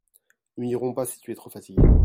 Nous n'irons pas si tu es trop fatiguée.